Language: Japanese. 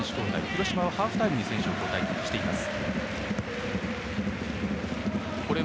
広島はハーフタイムに選手交代しています。